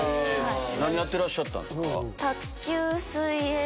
何やってらっしゃったんですか？